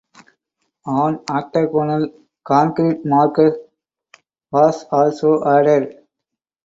An octagonal concrete marker was also added.